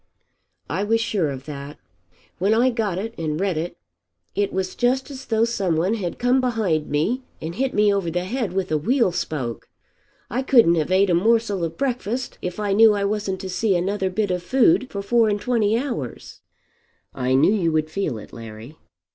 "I was sure of that. When I got it and read it, it was just as though some one had come behind me and hit me over the head with a wheel spoke. I couldn't have ate a morsel of breakfast if I knew I wasn't to see another bit of food for four and twenty hours." "I knew you would feel it, Larry."